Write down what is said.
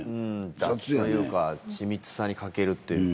雑というか緻密さに欠けるっていうか。